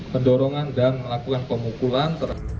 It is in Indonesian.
pendorongan dan melakukan pemukulan